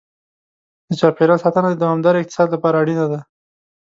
د چاپېریال ساتنه د دوامدار اقتصاد لپاره اړینه ده.